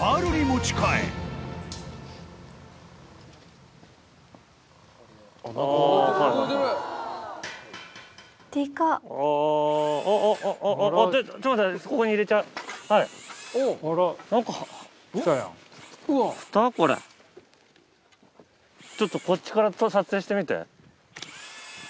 ちょっとこっちから撮影してみて。